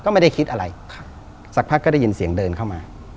ก็ไม่ได้คิดอะไรสักพักก็ได้ยินเสียงเดินเข้ามา